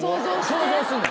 想像すんの。